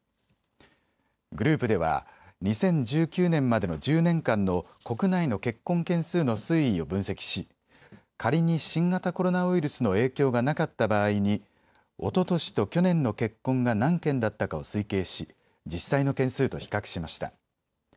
グループでは２０１９年までの１０年間の国内の結婚件数の推移を分析し仮に新型コロナウイルスの影響がなかった場合におととしと去年の結婚が何件だったかを推計し実際の件数と比較しました。